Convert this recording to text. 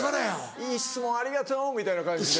「いい質問ありがと」みたいな感じで。